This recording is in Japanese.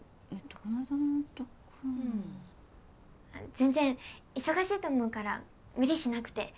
全然忙しいと思うから無理しなくて。